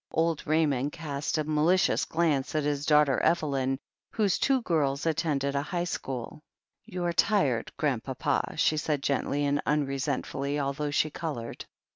Old Raymond cast a malicious glance at his daugh ter Evelyn, whose two girls attended a high school. "You're tired. Grandpapa," she said gently and un resentfully, although she coloured.